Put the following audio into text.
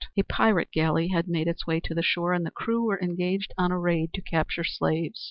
A pirate galley had made its way to the shore and the crew were engaged on a raid to capture slaves.